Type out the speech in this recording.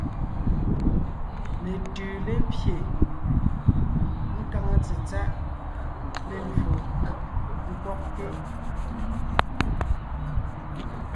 Letʉʉ lépye, nkáŋa tsetsáʼ lélwo ńkwɔgte.